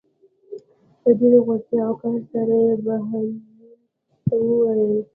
په ډېرې غوسې او قهر سره یې بهلول ته وویل.